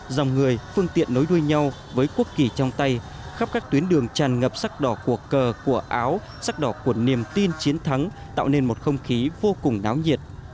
dòng người phương tiện nối đuôi nhau với quốc kỳ trong tay khắp các tuyến đường tràn ngập sắc đỏ cuộc cờ cờ của áo sắc đỏ của niềm tin chiến thắng tạo nên một không khí vô cùng náo nhiệt